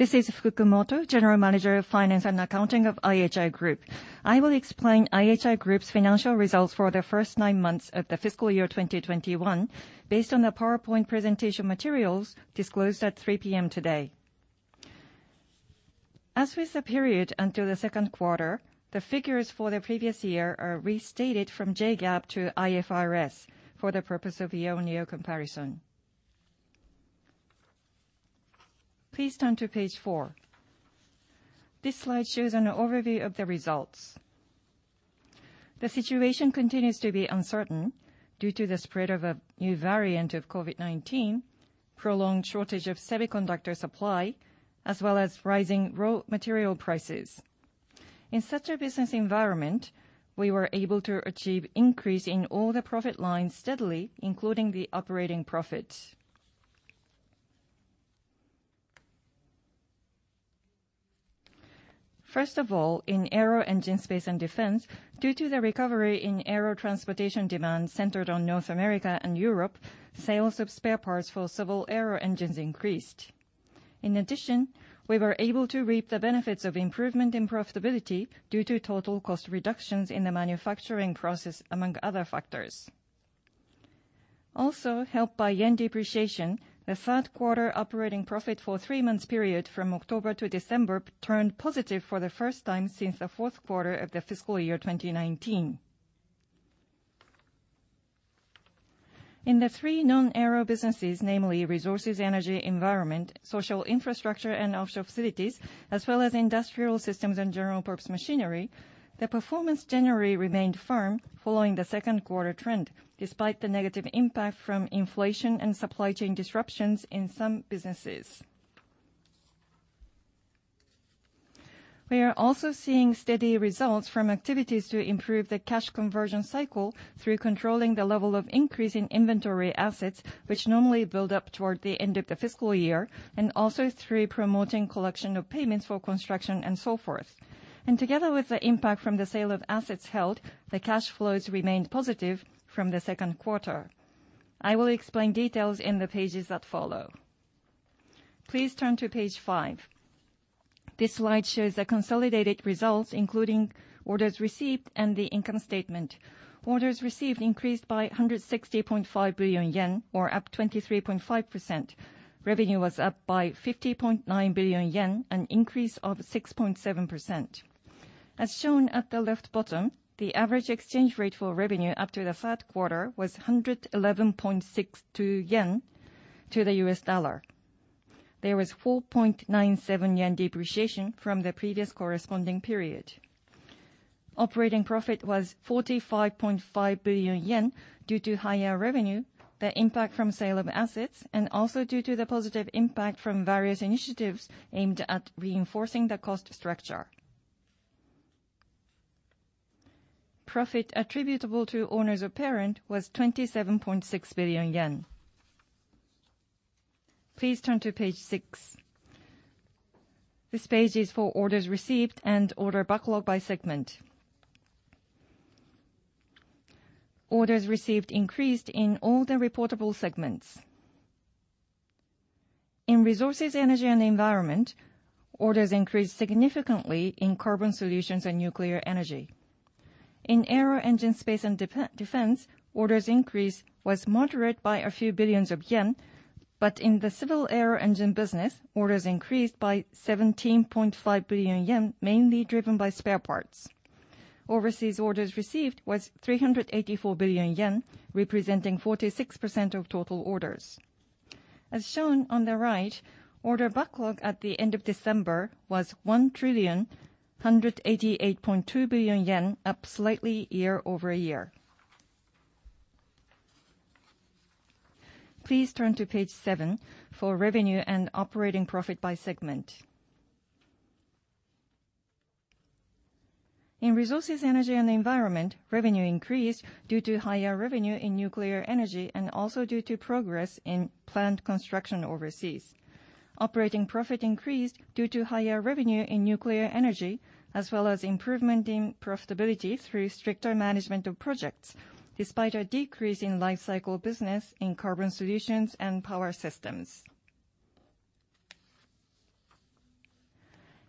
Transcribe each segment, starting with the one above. This is Fukumoto, General Manager of Finance and Accounting of IHI Group. I will explain IHI Group's financial results for the first nine months of the fiscal year 2021 based on the PowerPoint presentation materials disclosed at 3:00 P.M. today. As with the period until the second quarter, the figures for the previous year are restated from JGAAP to IFRS for the purpose of year-on-year comparison. Please turn to page four. This slide shows an overview of the results. The situation continues to be uncertain due to the spread of a new variant of COVID-19, prolonged shortage of semiconductor supply, as well as rising raw material prices. In such a business environment, we were able to achieve increase in all the profit lines steadily, including the operating profit. First of all, in Aero Engine, Space and Defense, due to the recovery in air transportation demand centered on North America and Europe, sales of spare parts for civil aero engines increased. In addition, we were able to reap the benefits of improvement in profitability due to total cost reductions in the manufacturing process, among other factors. Also helped by yen depreciation, the third quarter operating profit for three months' period from October to December turned positive for the first time since the fourth quarter of the fiscal year 2019. In the three non-aero businesses, namely Resources, Energy and Environment, Social Infrastructure and Offshore Facilities, as well as Industrial Systems and General Purpose Machinery, the performance generally remained firm following the second quarter trend, despite the negative impact from inflation and supply chain disruptions in some businesses. We are also seeing steady results from activities to improve the cash conversion cycle through controlling the level of increase in inventory assets, which normally build up toward the end of the fiscal year, and also through promoting collection of payments for construction and so forth. Together with the impact from the sale of assets held, the cash flows remained positive from the second quarter. I will explain details in the pages that follow. Please turn to page five. This slide shows the consolidated results, including orders received and the income statement. Orders received increased by 160.5 billion yen, or up 23.5%. Revenue was up by 50.9 billion yen, an increase of 6.7%. As shown at the left bottom, the average exchange rate for revenue up to the third quarter was 111.62 yen to the USD. There was 4.97 yen depreciation from the previous corresponding period. Operating profit was 45.5 billion yen due to higher revenue, the impact from sale of assets, and also due to the positive impact from various initiatives aimed at reinforcing the cost structure. Profit attributable to owners of parent was 27.6 billion yen. Please turn to page six. This page is for orders received and order backlog by segment. Orders received increased in all the reportable segments. In Resources, Energy and Environment, orders increased significantly in Carbon Solutions and nuclear energy. In Aero Engine, Space and Defense, orders increase was moderate by a few billions of JPY. In the civil aero engine business, orders increased by 17.5 billion yen, mainly driven by spare parts. Overseas orders received was 384 billion yen, representing 46% of total orders. As shown on the right, order backlog at the end of December was 1,188.2 billion yen, up slightly year-over-year. Please turn to page seven for revenue and operating profit by segment. In Resources, Energy and Environment, revenue increased due to higher revenue in nuclear energy and also due to progress in plant construction overseas. Operating profit increased due to higher revenue in nuclear energy, as well as improvement in profitability through stricter management of projects despite a decrease in life cycle business in Carbon Solutions and Power Systems.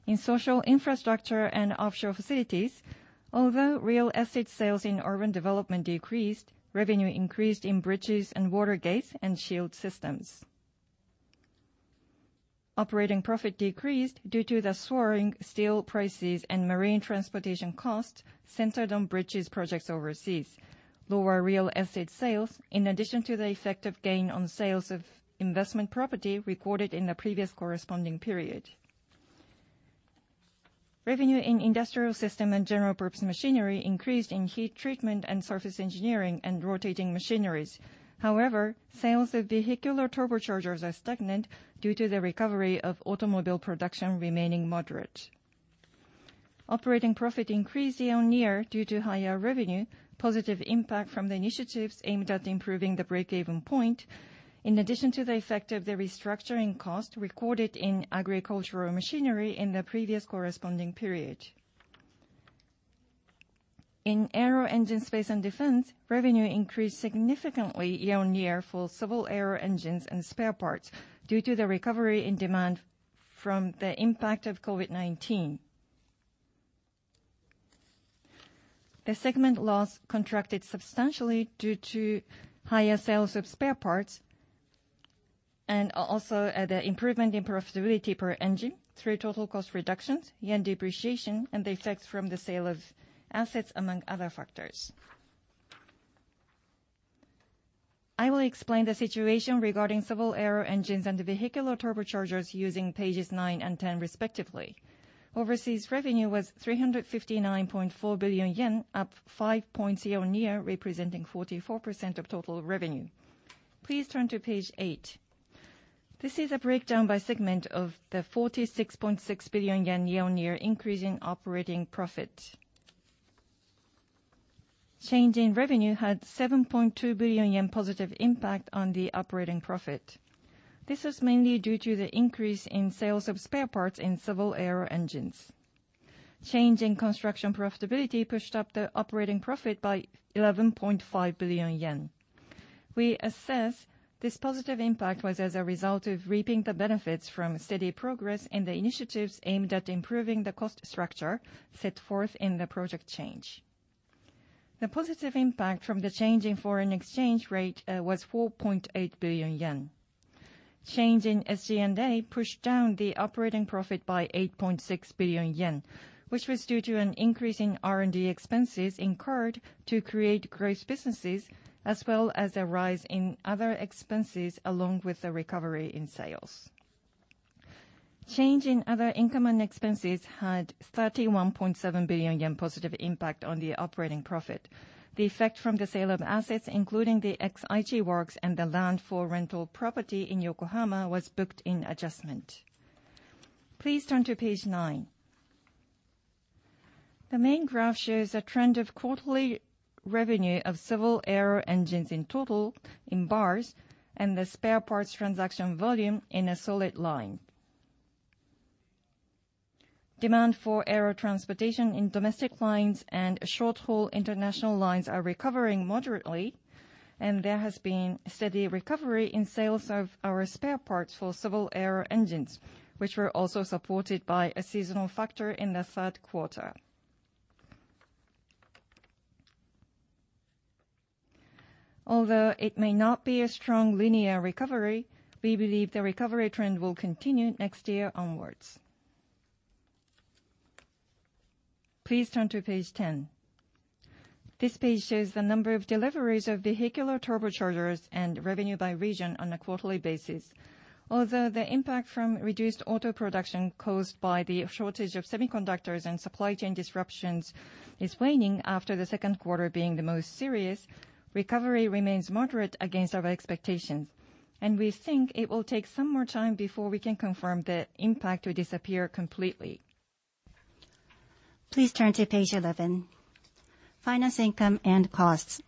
In Social Infrastructure and Offshore Facilities, although real estate sales in urban development decreased, revenue increased in bridges and water gates and shield systems. Operating profit decreased due to the soaring steel prices and marine transportation costs centered on bridges projects overseas. Lower real estate sales in addition to the effect of gain on sales of investment property recorded in the previous corresponding period. Revenue in Industrial Systems and General Purpose Machinery increased in heat treatment and surface engineering and rotating machineries. Sales of vehicular turbochargers are stagnant due to the recovery of automobile production remaining moderate. Operating profit increased year-on-year due to higher revenue, positive impact from the initiatives aimed at improving the break-even point, in addition to the effect of the restructuring cost recorded in agricultural machinery in the previous corresponding period. In Aero Engine, Space and Defense, revenue increased significantly year-on-year for civil aero engines and spare parts due to the recovery in demand from the impact of COVID-19. The segment loss contracted substantially due to higher sales of spare parts and also the improvement in profitability per engine through total cost reductions, yen depreciation, and the effects from the sale of assets, among other factors. I will explain the situation regarding civil aero engines and vehicular turbochargers using pages nine and 10 respectively. Overseas revenue was 359.4 billion yen, up 5 points year-on-year, representing 44% of total revenue. Please turn to page eight. This is a breakdown by segment of the 46.6 billion yen year-on-year increase in operating profit. Change in revenue had 7.2 billion yen positive impact on the operating profit. This was mainly due to the increase in sales of spare parts in civil aero engines. Change in construction profitability pushed up the operating profit by 11.5 billion yen. We assess this positive impact was as a result of reaping the benefits from steady progress in the initiatives aimed at improving the cost structure set forth in the Project Change. The positive impact from the change in foreign exchange rate was 4.8 billion yen. Change in SG&A pushed down the operating profit by 8.6 billion yen, which was due to an increase in R&D expenses incurred to create growth businesses, as well as a rise in other expenses along with the recovery in sales. Change in other income and expenses had 31.7 billion yen positive impact on the operating profit. The effect from the sale of assets, including the ex-IT works and the land for rental property in Yokohama, was booked in adjustment. Please turn to page nine. The main graph shows a trend of quarterly revenue of civil aero engines in total in bars and the spare parts transaction volume in a solid line. Demand for aero transportation in domestic lines and short-haul international lines are recovering moderately, and there has been steady recovery in sales of our spare parts for civil aero engines, which were also supported by a seasonal factor in the third quarter. Although it may not be a strong linear recovery, we believe the recovery trend will continue next year onwards. Please turn to page 10. This page shows the number of deliveries of vehicular turbochargers and revenue by region on a quarterly basis. Although the impact from reduced auto production caused by the shortage of semiconductors and supply chain disruptions is waning after the second quarter being the most serious, recovery remains moderate against our expectations. We think it will take some more time before we can confirm the impact will disappear completely. Please turn to page 11, finance income and costs.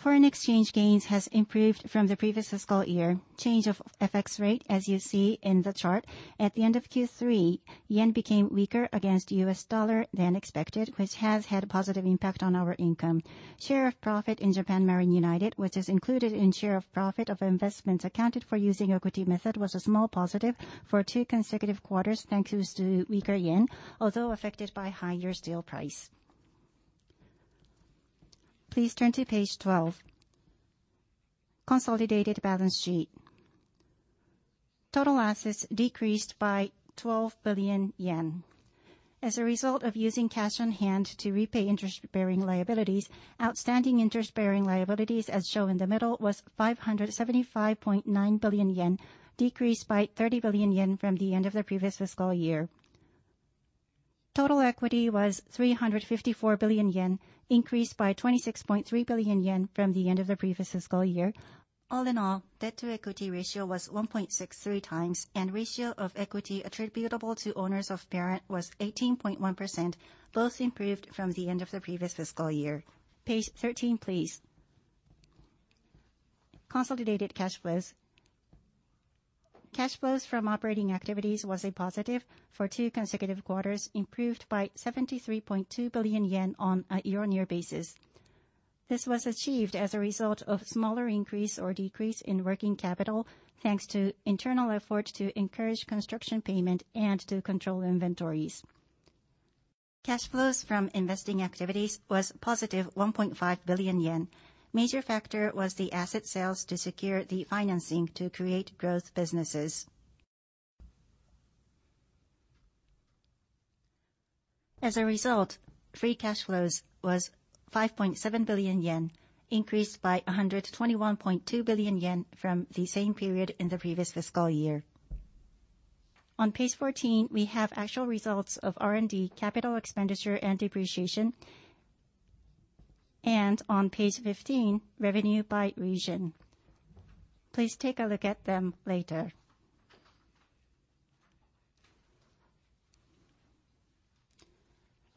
Foreign exchange gains has improved from the previous fiscal year. Change of FX rate, as you see in the chart, at the end of Q3, yen became weaker against US dollar than expected, which has had a positive impact on our income. Share of profit in Japan Marine United, which is included in share of profit of investments accounted for using equity method, was a small positive for two consecutive quarters, thanks to weaker yen, although affected by higher steel price. Please turn to page 12, consolidated balance sheet. Total assets decreased by 12 billion yen. As a result of using cash on hand to repay interest-bearing liabilities, outstanding interest-bearing liabilities, as shown in the middle, was 575.9 billion yen, decreased by 30 billion yen from the end of the previous fiscal year. Total equity was 354 billion yen, increased by 26.3 billion yen from the end of the previous fiscal year. All in all, debt to equity ratio was 1.63 times, and ratio of equity attributable to owners of parent was 18.1%, both improved from the end of the previous fiscal year. Page 13, please. Consolidated cash flows. Cash flows from operating activities was a positive for two consecutive quarters, improved by 73.2 billion yen on a year-on-year basis. This was achieved as a result of smaller increase or decrease in working capital, thanks to internal effort to encourage construction payment and to control inventories. Cash flows from investing activities was positive 1.5 billion yen. Major factor was the asset sales to secure the financing to create growth businesses. As a result, free cash flows was 5.7 billion yen, increased by 121.2 billion yen from the same period in the previous fiscal year. On page 14, we have actual results of R&D capital expenditure and depreciation, and on page 15, revenue by region. Please take a look at them later.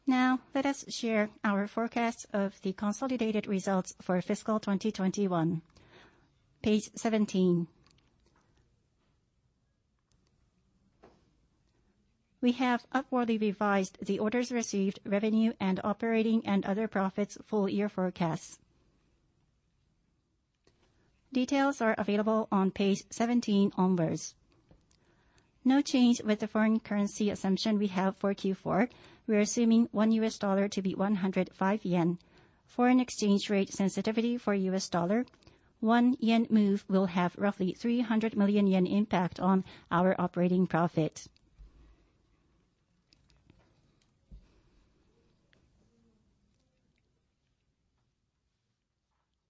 Now, let us share our forecasts of the consolidated results for fiscal 2021. Page 17. We have upwardly revised the orders received, revenue, and operating and other profits full year forecasts. Details are available on page 17 onwards. No change with the foreign currency assumption we have for Q4. We are assuming one US dollar to be 105 yen. Foreign exchange rate sensitivity for US dollar, 1 yen move will have roughly 300 million yen impact on our operating profit.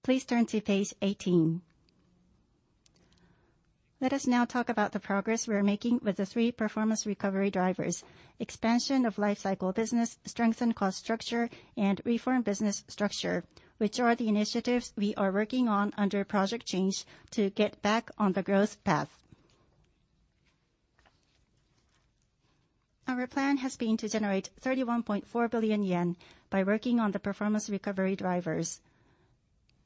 Please turn to page 18. Let us now talk about the progress we are making with the three performance recovery drivers: expansion of life cycle business, strengthen cost structure, and reform business structure, which are the initiatives we are working on under Project Change to get back on the growth path. Our plan has been to generate 31.4 billion yen by working on the performance recovery drivers.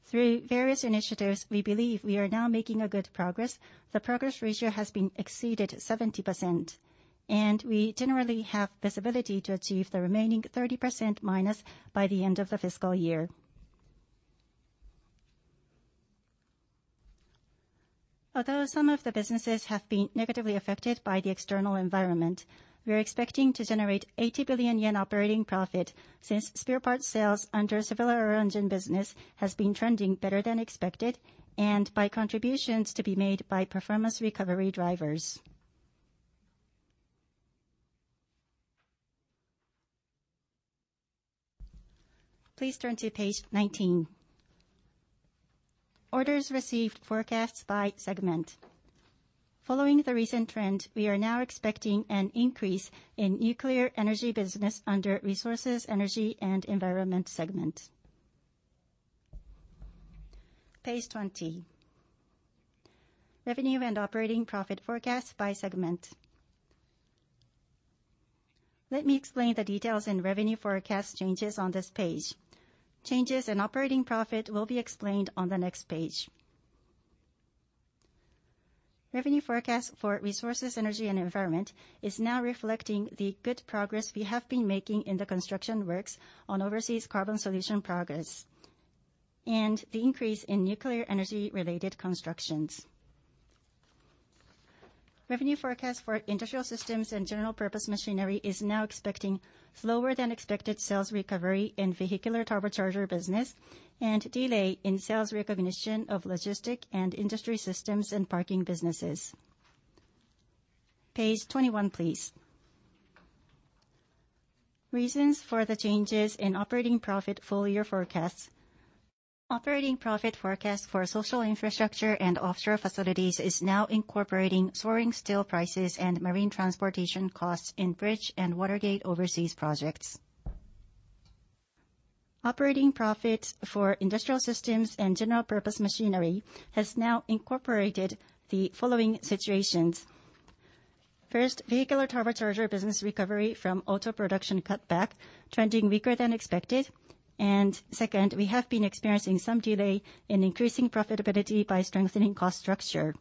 Through various initiatives, we believe we are now making good progress. The progress ratio has exceeded 70%, and we generally have visibility to achieve the remaining 30% minus by the end of the fiscal year. Although some of the businesses have been negatively affected by the external environment, we are expecting to generate 80 billion yen operating profit since spare parts sales under civil aero-engine business has been trending better than expected, and by contributions to be made by performance recovery drivers. Please turn to page 19. Orders received forecasts by segment. Following the recent trend, we are now expecting an increase in nuclear energy business under Resources, Energy and Environment segment. Page 20, revenue and operating profit forecast by segment. Let me explain the details in revenue forecast changes on this page. Changes in operating profit will be explained on the next page. Revenue forecast for Resources, Energy and Environment is now reflecting the good progress we have been making in the construction works on overseas Carbon Solutions progress and the increase in nuclear energy-related constructions. Revenue forecast for Industrial Systems and General Purpose Machinery is now expecting slower than expected sales recovery in vehicular turbocharger business and delay in sales recognition of logistic and industry systems and parking businesses. Page 21, please. Reasons for the changes in operating profit full year forecasts. Operating profit forecast for Social Infrastructure and Offshore Facilities is now incorporating soaring steel prices and marine transportation costs in bridge and water gate overseas projects. Operating profit for Industrial Systems and General Purpose Machinery has now incorporated the following situations. First, vehicular turbocharger business recovery from auto production cutback trending weaker than expected. Second, we have been experiencing some delay in increasing profitability by strengthening cost structure.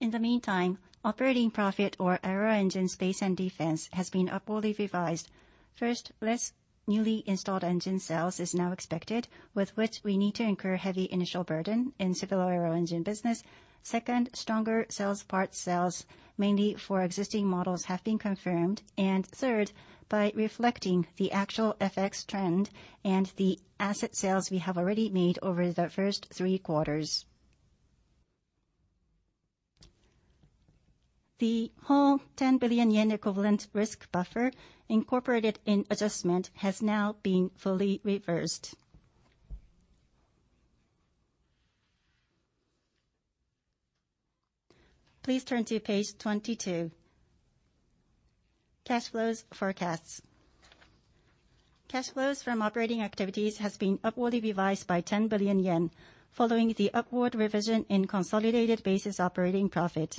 In the meantime, operating profit for Aero Engine, Space and Defense has been upwardly revised. First, less newly installed engine sales is now expected, with which we need to incur heavy initial burden in civil aero-engine business. Second, stronger sales part sales, mainly for existing models, have been confirmed. Third, by reflecting the actual FX trend and the asset sales we have already made over the first three quarters. The whole 10 billion yen equivalent risk buffer incorporated in adjustment has now been fully reversed. Please turn to page 22, cash flows forecasts. Cash flows from operating activities has been upwardly revised by 10 billion yen following the upward revision in consolidated basis operating profit.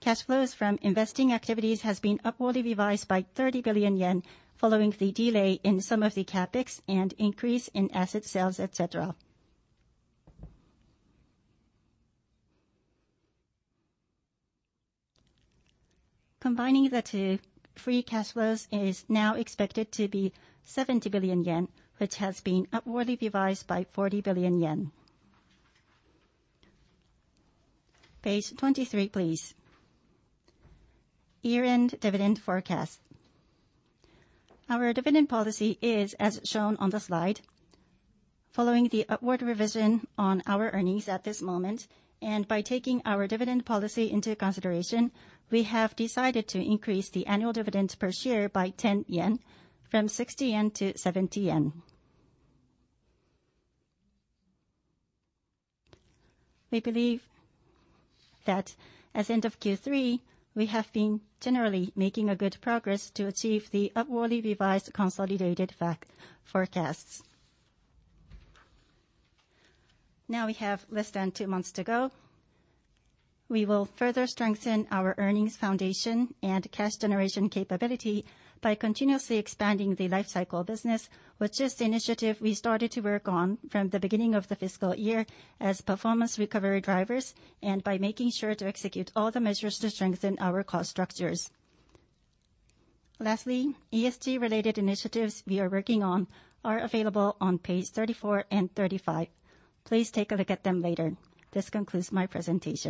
Cash flows from investing activities has been upwardly revised by 30 billion yen following the delay in some of the CapEx and increase in asset sales, et cetera. Combining the two, free cash flows is now expected to be 70 billion yen, which has been upwardly revised by 40 billion yen. Page 23, please. Year-end dividend forecast. Our dividend policy is as shown on the slide. Following the upward revision on our earnings at this moment, and by taking our dividend policy into consideration, we have decided to increase the annual dividend per share by 10 yen from 60 yen to 70 yen. We believe that as end of Q3, we have been generally making a good progress to achieve the upwardly revised consolidated forecasts. We have less than two months to go. We will further strengthen our earnings foundation and cash generation capability by continuously expanding the life cycle business, which is the initiative we started to work on from the beginning of the fiscal year as performance recovery drivers and by making sure to execute all the measures to strengthen our cost structures. Lastly, ESG related initiatives we are working on are available on page 34 and 35. Please take a look at them later. This concludes my presentation.